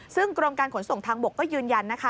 ซึ่งกรมการขนส่งทางบกก็ยืนยันนะคะ